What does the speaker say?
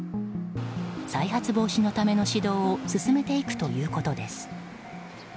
再発防止のための指導を進めていくということです。